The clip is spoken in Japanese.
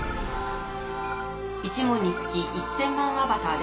１文につき１０００万アバターです。